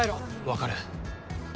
分かる。